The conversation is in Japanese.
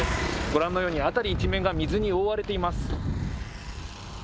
ご覧のように、辺り一面が水に覆われています。